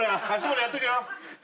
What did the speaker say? やっとけよ。